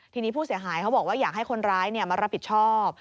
ทีนี้ผู้เสียหายเขาบอกว่าอยากให้คนร้ายมารับผิดชอบ